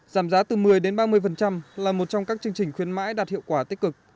giảm giá từ một mươi đến ba mươi là một trong các chương trình khuyến mãi đạt hiệu quả tích cực